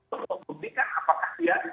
untuk mempublikkan apakah dia